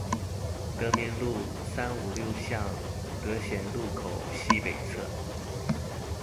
德民路三五六巷德賢路口西北側